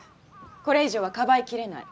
これ以上はかばいきれない。